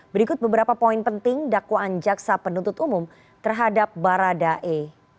berikut beberapa poin penting dakwaan jaksa penuntut umum terhadap baradae